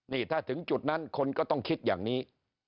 นี่ถ้าถึงจุดนั้นคนก็ต้องคิดอย่างนี้